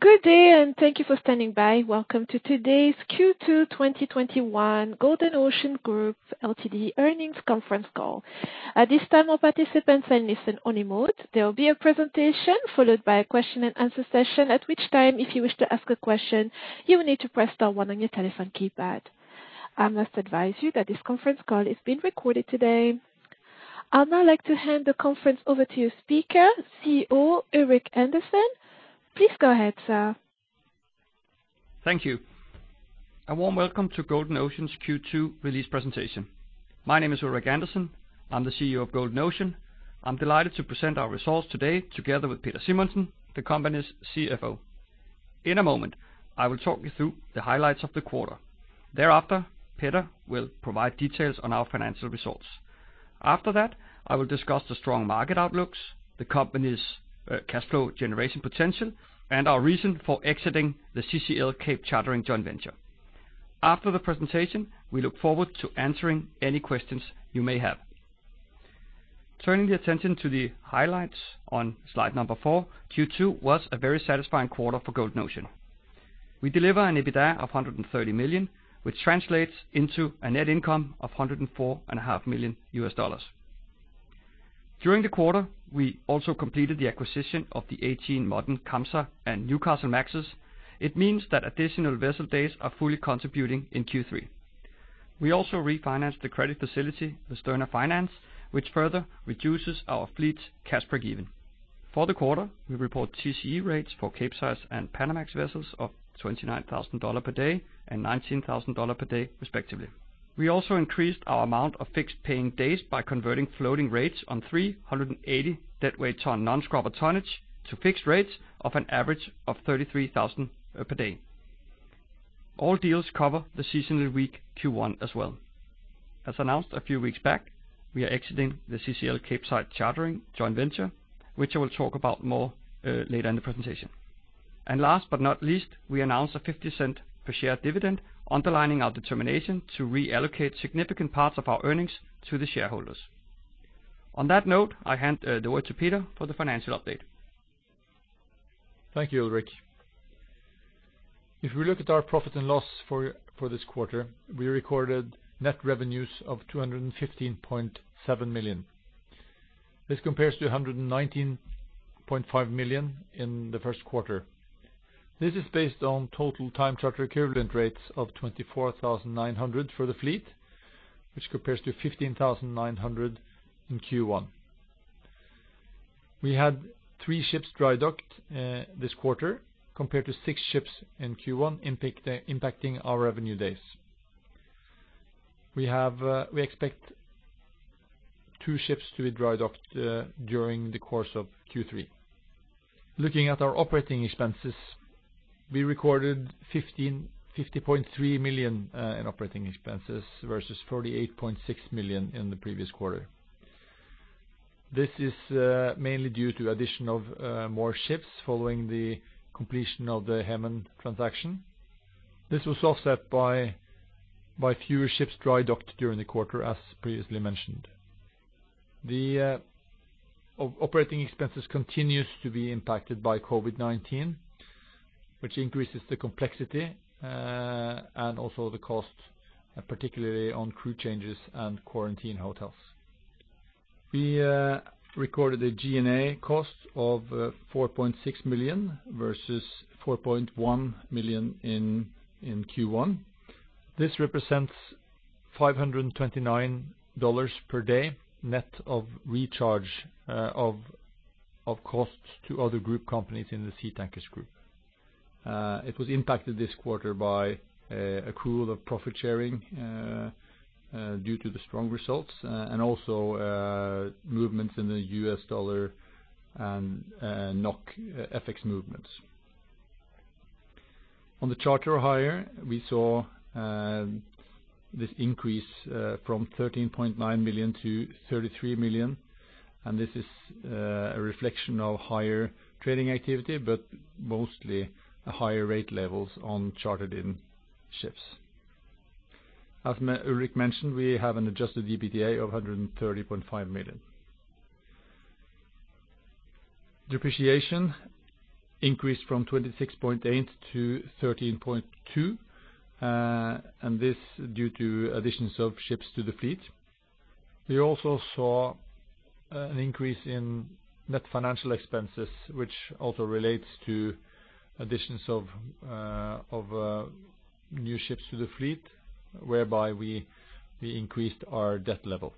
Good day, and thank you for standing by. Welcome to today's Q2 2021 Golden Ocean Group Ltd. earnings conference call. At this time, all participants are in listen-only mode. There will be a presentation, followed by a question-and-answer session. At which time, if you need to ask a question, you would need to press star one on your telephone keypad. I must advise you that this conference call is being recorded today. I'll now like to hand the conference over to your speaker, CEO Ulrik Andersen. Please go ahead, sir. Thank you. A warm welcome to Golden Ocean's Q2 release presentation. My name is Ulrik Andersen. I'm the CEO of Golden Ocean. I'm delighted to present our results today together with Peder Simonsen, the company's CFO. In a moment, I will talk you through the highlights of the quarter. Thereafter, Peder will provide details on our financial results. After that, I will discuss the strong market outlooks, the company's cash flow generation potential, and our reason for exiting the CCL Cape Chartering joint venture. After the presentation, we look forward to answering any questions you may have. Turning the attention to the highlights on slide number four, Q2 was a very satisfying quarter for Golden Ocean. We deliver an EBITDA of $130 million, which translates into a net income of $104.5 million. During the quarter, we also completed the acquisition of the 18 modern Kamsar and Newcastlemaxes. It means that additional vessel days are fully contributing in Q3. We also refinanced the credit facility with Sterna Finance, which further reduces our fleet's cash breakeven. For the quarter, we report TCE rates for Capesize and Panamax vessels of $29,000 per day and $19,000 per day respectively. We also increased our amount of fixed paying days by converting floating rates on 380 deadweight ton non-scrubber tonnage to fixed rates of an average of $33,000 per day. All deals cover the seasonal week Q1 as well. As announced a few weeks back, we are exiting the CCL Capesize Chartering joint venture, which I will talk about more later in the presentation. Last but not least, we announced a $0.50 per share dividend, underlining our determination to reallocate significant parts of our earnings to the shareholders. On that note, I hand the word to Peder for the financial update. Thank you, Ulrik. If we look at our profit and loss for this quarter, we recorded net revenues of $215.7 million. This compares to $119.5 million in the first quarter. This is based on total time charter equivalent rates of $24,900 for the fleet, which compares to $15,900 in Q1. We had three ships dry docked this quarter, compared to six ships in Q1, impacting our revenue days. We expect two ships to be dry docked during the course of Q3. Looking at our operating expenses, we recorded $50.3 million in operating expenses versus $48.6 million in the previous quarter. This is mainly due to addition of more ships following the completion of the Hemen transaction. This was offset by fewer ships dry docked during the quarter, as previously mentioned. The operating expenses continues to be impacted by COVID-19, which increases the complexity and also the costs, particularly on crew changes and quarantine hotels. We recorded a G&A cost of $4.6 million versus $4.1 million in Q1. This represents $529 per day net of recharge of costs to other group companies in the Seatankers group. It was impacted it this quarter by accrual of profit-sharing due to the strong results and also movements in the U.S. dollar and NOK FX movements. On the charter hire, we saw this increase from $13.9 million-$33 million. This is a reflection of higher trading activity but mostly higher rate levels on chartered-in ships. As Ulrik mentioned, we have an adjusted EBITDA of $130.5 million. Depreciation increased from $26.8 million-$13.2 million, this due to additions of ships to the fleet. We also saw an increase in net financial expenses, which also relates to additions of new ships to the fleet, whereby we increased our debt level.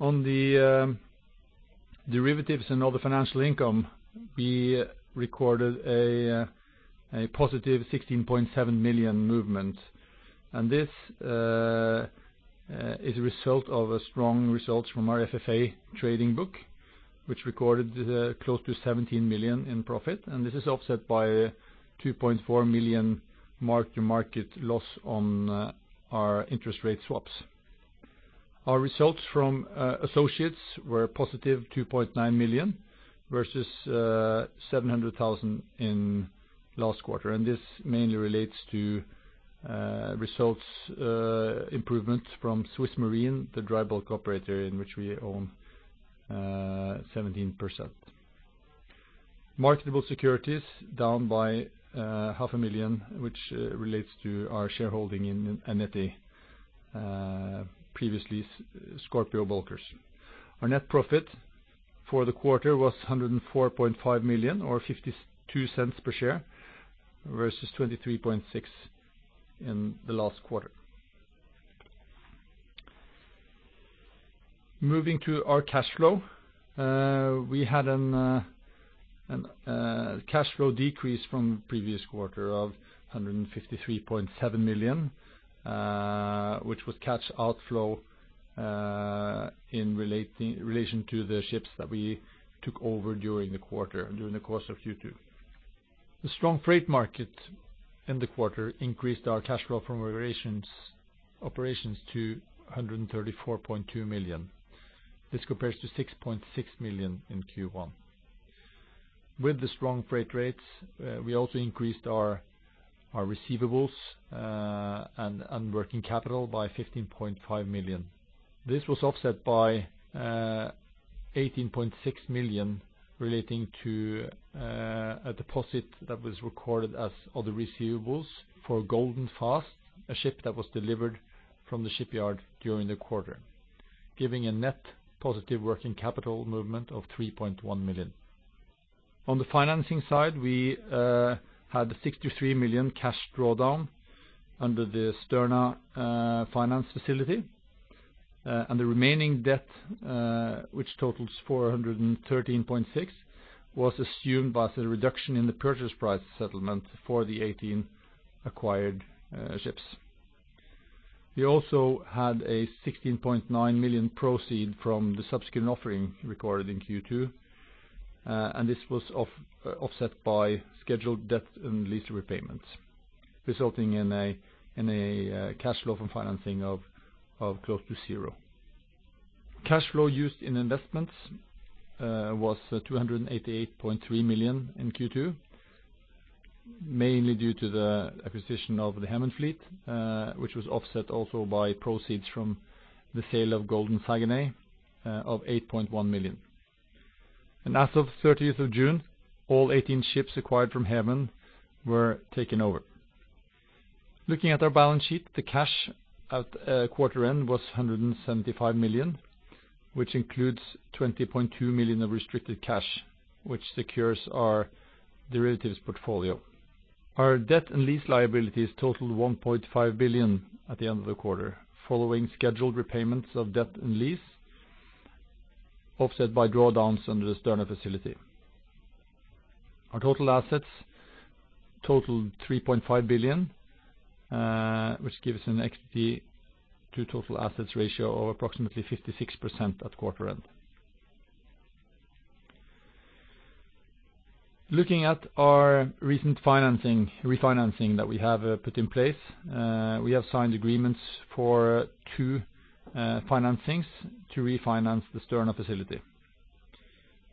On the derivatives and other financial income, we recorded a positive $16.7 million movement, and this is a result of a strong result from our FFA trading book, which recorded close to $17 million in profit, and this is offset by $2.4 million mark-to-market loss on our interest rate swaps. Our results from associates were positive $2.9 million versus $700,000 in last quarter, and this mainly relates to results improvement from SwissMarine, the dry bulk operator in which we own 17%. Marketable securities down by $500,000, which relates to our shareholding in Eneti, previously Scorpio Bulkers. Our net profit for the quarter was $104.5 million, or $0.52 per share versus $23.6 million in the last quarter. Moving to our cash flow. We had a cash flow decrease from previous quarter of $153.7 million, which was cash outflow in relation to the ships that we took over during the quarter, during the course of Q2. The strong freight market in the quarter increased our cash flow from operations to $134.2 million. This compares to $6.6 million in Q1. With the strong freight rates, we also increased our receivables and working capital by $15.5 million. This was offset by $18.6 million relating to a deposit that was recorded as other receivables for Golden Fast, a ship that was delivered from the shipyard during the quarter, giving a net positive working capital movement of $3.1 million. On the financing side, we had $63 million cash drawdown under the Sterna Finance facility. The remaining debt, which totals $413.6, was assumed by the reduction in the purchase price settlement for the 18 acquired ships. We also had a $16.9 million proceed from the subsequent offering recorded in Q2. This was offset by scheduled debt and lease repayments, resulting in a cash flow from financing of close to zero. Cash flow used in investments was $288.3 million in Q2, mainly due to the acquisition of the Hemen fleet, which was offset also by proceeds from the sale of Golden Saguenay of $8.1 million. As of 30th of June, all 18 ships acquired from Hemen were taken over. Looking at our balance sheet, the cash at quarter end was $175 million, which includes $20.2 million of restricted cash, which secures our derivatives portfolio. Our debt and lease liabilities totaled $1.5 billion at the end of the quarter, following scheduled repayments of debt and lease offset by drawdowns under the Sterna facility. Our total assets totaled $3.5 billion, which gives an equity to total assets ratio of approximately 56% at quarter end. Looking at our recent refinancing that we have put in place. We have signed agreements for two financings to refinance the Sterna facility.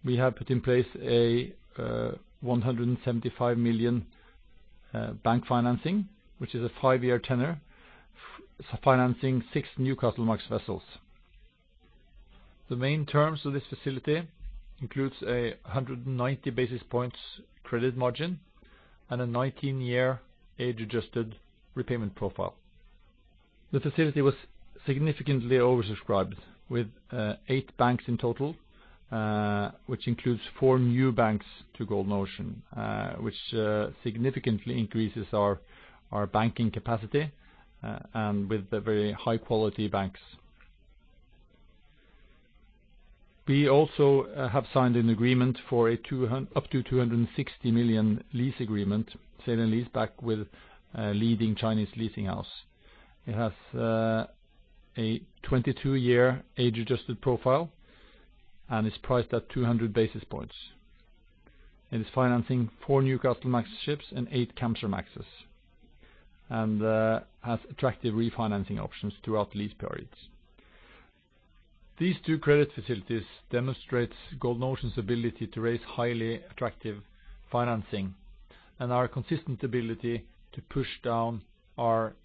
We have put in place a $175 million bank financing, which is a five-year tenor, financing six new Newcastlemax vessels. The main terms of this facility includes a 190 basis points credit margin and a 19-year age-adjusted repayment profile. The facility was significantly oversubscribed with eight banks in total, which includes four new banks to Golden Ocean, which significantly increases our banking capacity and with the very high-quality banks. We also have signed an agreement for up to $260 million lease agreement, sale and lease back with a leading Chinese leasing house. It has a 22-year age-adjusted profile and is priced at 200 basis points and is financing four Newcastlemax ships and eight Kamsarmaxes, and has attractive refinancing options throughout the lease periods. These two credit facilities demonstrates Golden Ocean's ability to raise highly attractive financing and our consistent ability to push down our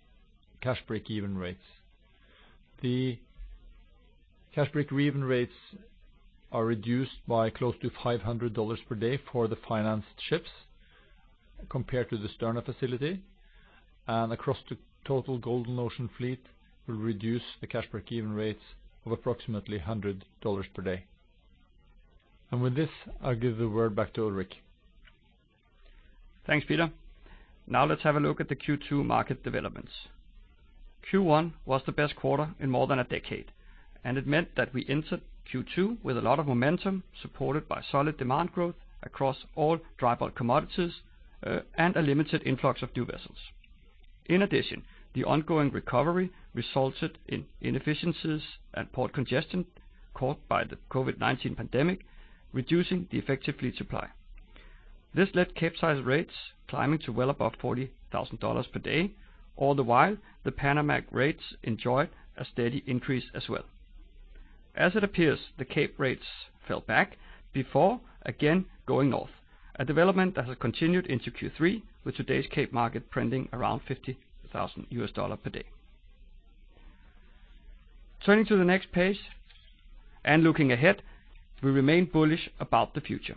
cash break-even rates. The cash break-even rates are reduced by close to $500 per day for the financed ships compared to the Sterna facility, and across the total Golden Ocean fleet will reduce the cash break-even rates of approximately $100 per day. With this, I'll give the word back to Ulrik. Thanks, Peder. Now let's have a look at the Q2 market developments. Q1 was the best quarter in more than one decade, and it meant that we entered Q2 with a lot of momentum, supported by solid demand growth across all dry bulk commodities and a limited influx of new vessels. In addition, the ongoing recovery resulted in inefficiencies and port congestion caused by the COVID-19 pandemic, reducing the effective fleet supply. This led Capesize rates climbing to well above $40,000 per day. All the while, the Panamax rates enjoyed a steady increase as well. As it appears, the Cape rates fell back before again going north. A development that has continued into Q3, with today's Cape market printing around $50,000 per day. Turning to the next page and looking ahead, we remain bullish about the future.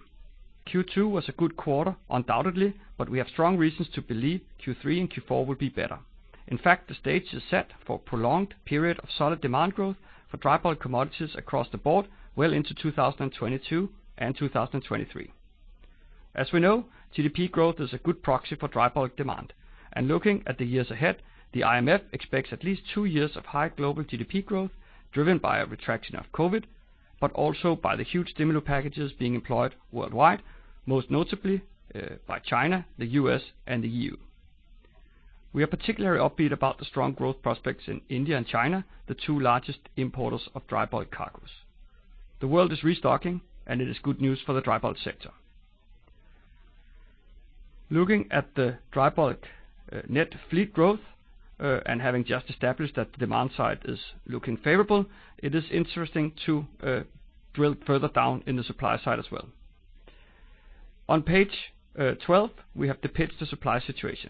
Q2 was a good quarter undoubtedly, but we have strong reasons to believe Q3 and Q4 will be better. In fact, the stage is set for a prolonged period of solid demand growth for dry bulk commodities across the board well into 2022 and 2023. As we know, GDP growth is a good proxy for dry bulk demand. Looking at the years ahead, the IMF expects at least two years of high global GDP growth, driven by a retraction of COVID, but also by the huge stimulus packages being employed worldwide, most notably, by China, the U.S., and the EU. We are particularly upbeat about the strong growth prospects in India and China, the two largest importers of dry bulk cargoes. The world is restocking, and it is good news for the dry bulk sector. Looking at the dry bulk net fleet growth, and having just established that demand side is looking favorable, it is interesting to drill further down in the supply side as well. On page 12, we have depicted the supply situation.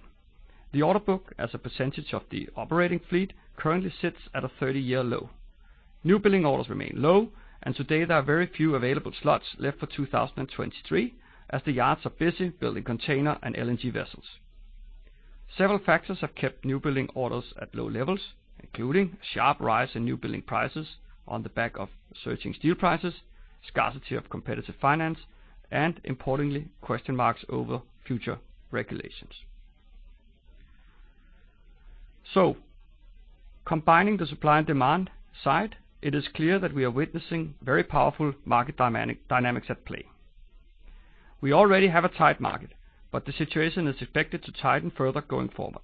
The order book as a percentage of the operating fleet currently sits at a 30-year low. New building orders remain low, and today there are very few available slots left for 2023 as the yards are busy building container and LNG vessels. Several factors have kept new building orders at low levels, including a sharp rise in new building prices on the back of surging steel prices, scarcity of competitive finance, and importantly, question marks over future regulations. Combining the supply and demand side, it is clear that we are witnessing very powerful market dynamics at play. We already have a tight market. The situation is expected to tighten further going forward.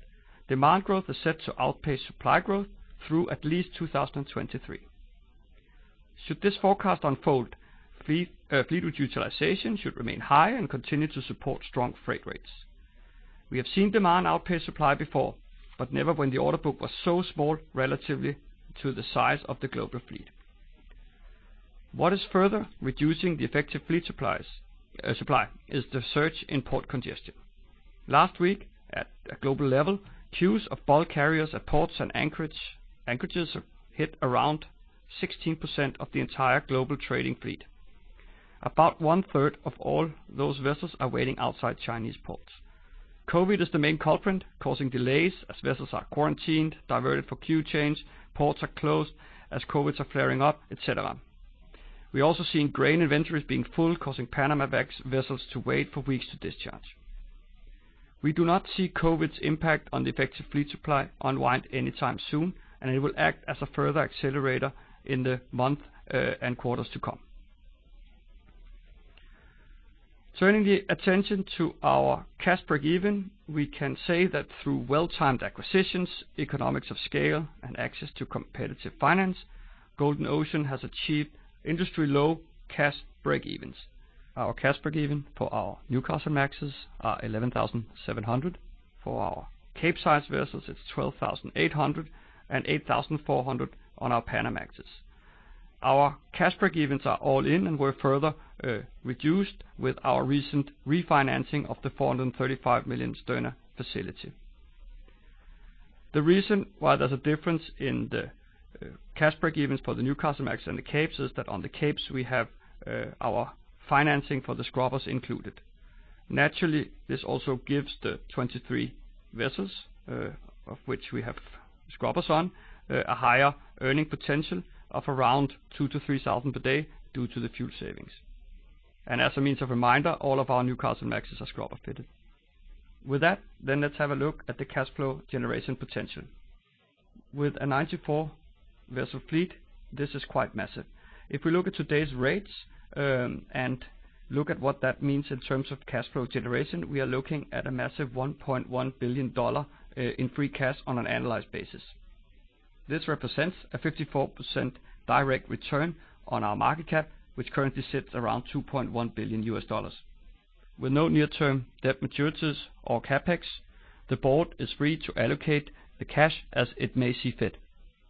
Demand growth is set to outpace supply growth through at least 2023. Should this forecast unfold, fleet utilization should remain high and continue to support strong freight rates. We have seen demand outpace supply before, never when the order book was so small relatively to the size of the global fleet. What is further reducing the effective fleet supply is the surge in port congestion. Last week, at a global level, queues of bulk carriers at ports and anchorages hit around 16% of the entire global trading fleet. About 1/3 of all those vessels are waiting outside Chinese ports. COVID is the main culprit, causing delays as vessels are quarantined, diverted for queue change, ports are closed as COVID are flaring up, et cetera. We're also seeing grain inventories being full, causing Panamax vessels to wait for weeks to discharge. We do not see COVID-19's impact on the effective fleet supply unwind anytime soon, and it will act as a further accelerator in the month and quarters to come. Turning the attention to our cash breakeven, we can say that through well-timed acquisitions, economics of scale, and access to competitive finance, Golden Ocean has achieved industry-low cash breakevens. Our cash breakeven for our Newcastlemaxes are $11,700. For our Capesize vessels, it's $12,800, and $8,400 on our Panamax. Our cash breakevens are all in and were further reduced with our recent refinancing of the $435 million Sterna facility. The reason why there's a difference in the cash breakevens for the Newcastlemax and the Capes is that on the Capes, we have our financing for the scrubbers included. Naturally, this also gives the 23 vessels, of which we have scrubbers on, a higher earning potential of around $2,000-$3,000 per day due to the fuel savings. As a means of reminder, all of our Newcastlemaxes are scrubber-fitted. With that, let's have a look at the cash flow generation potential. With a 94-vessel fleet, this is quite massive. If we look at today's rates, and look at what that means in terms of cash flow generation, we are looking at a massive $1.1 billion in free cash on an annualized basis. This represents a 54% direct return on our market cap, which currently sits around $2.1 billion. With no near-term debt maturities or CapEx, the board is free to allocate the cash as it may see fit.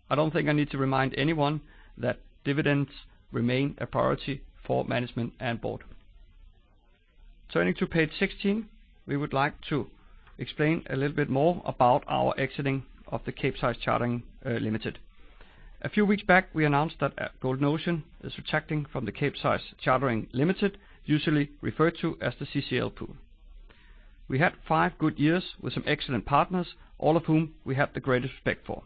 I don't think I need to remind anyone that dividends remain a priority for management and board. Turning to page 16, we would like to explain a little bit more about our exiting of the Capesize Chartering Limited. A few weeks back, we announced that Golden Ocean is retracting from the Capesize Chartering Limited, usually referred to as the CCL pool. We had five good years with some excellent partners, all of whom we have the greatest respect for.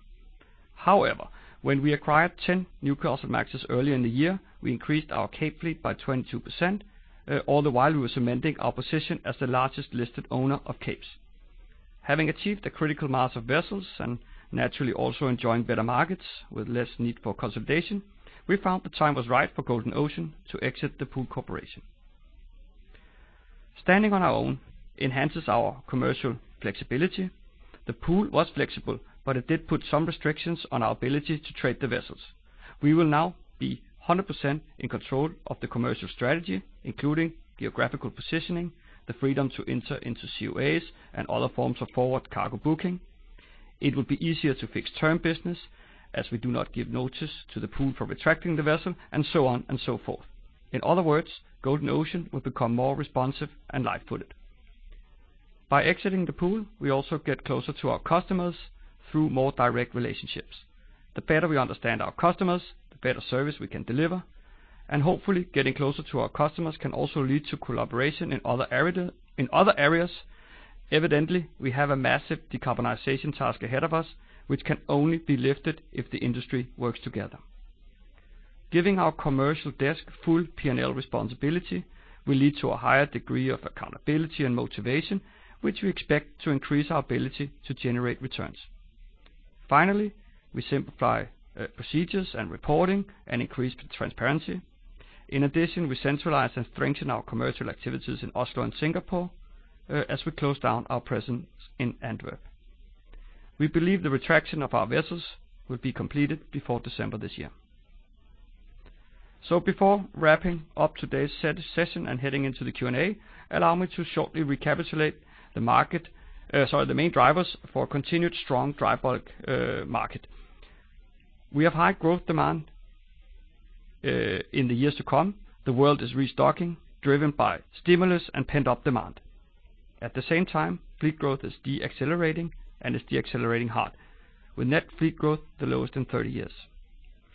However, when we acquired 10 Newcastlemaxes earlier in the year, we increased our Cape fleet by 22%. All the while, we were cementing our position as the largest listed owner of Capes. Having achieved a critical mass of vessels and naturally also enjoying better markets with less need for consolidation, we found the time was right for Golden Ocean to exit the pool corporation. Standing on our own enhances our commercial flexibility. The pool was flexible, but it did put some restrictions on our ability to trade the vessels. We will now be 100% in control of the commercial strategy, including geographical positioning, the freedom to enter into COAs and other forms of forward cargo booking. It will be easier to fix term business as we do not give notice to the pool for retracting the vessel and so on and so forth. In other words, Golden Ocean will become more responsive and lightfooted. By exiting the pool, we also get closer to our customers through more direct relationships. The better we understand our customers, the better service we can deliver, and hopefully getting closer to our customers can also lead to collaboration in other areas. Evidently, we have a massive decarbonization task ahead of us, which can only be lifted if the industry works together. Giving our commercial desk full P&L responsibility will lead to a higher degree of accountability and motivation, which we expect to increase our ability to generate returns. Finally, we simplify procedures and reporting and increase transparency. In addition, we centralize and strengthen our commercial activities in Oslo and Singapore as we close down our presence in Antwerp. We believe the retraction of our vessels will be completed before December this year. Before wrapping up today's session and heading into the Q&A, allow me to shortly recapitulate the main drivers for a continued strong dry bulk market. We have high growth demand in the years to come. The world is restocking, driven by stimulus and pent-up demand. At the same time, fleet growth is deaccelerating and is deaccelerating hard, with net fleet growth the lowest in 30 years.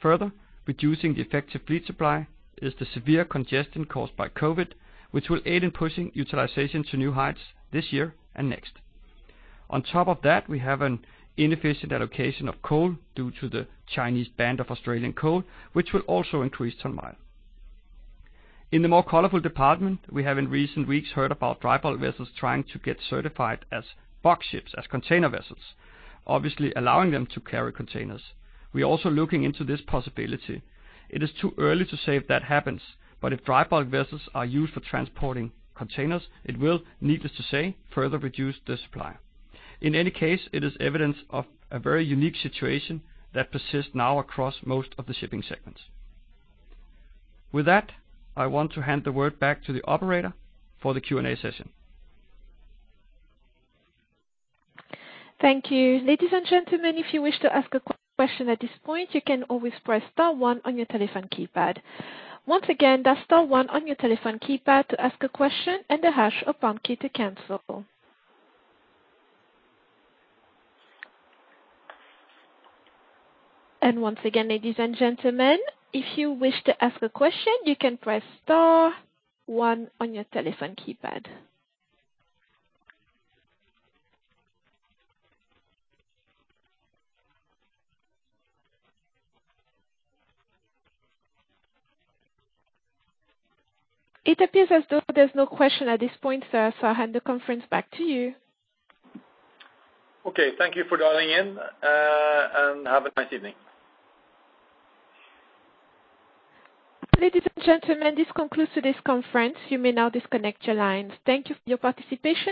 Further, reducing the effective fleet supply is the severe congestion caused by COVID, which will aid in pushing utilization to new heights this year and next. On top of that, we have an inefficient allocation of coal due to the Chinese ban of Australian coal, which will also increase turmoil. In the more colorful department, we have in recent weeks heard about dry bulk vessels trying to get certified as box ships, as container vessels, obviously allowing them to carry containers. We're also looking into this possibility. It is too early to say if that happens, but if dry bulk vessels are used for transporting containers, it will, needless to say, further reduce the supply. In any case, it is evidence of a very unique situation that persists now across most of the shipping segments. With that, I want to hand the word back to the operator for the Q&A session. Thank you. Ladies and gentlemen, if you wish to ask a question at this point, you can always press star one on your telephone keypad. Once again, that's star one on your telephone keypad to ask a question and the hash or pound key to cancel. Once again, ladies and gentlemen, if you wish to ask a question, you can press star one on your telephone keypad. It appears as though there's no question at this point, sir. I'll hand the conference back to you. Okay. Thank you for dialing in, and have a nice evening. Ladies and gentlemen, this concludes today's conference. You may now disconnect your lines. Thank you for your participation.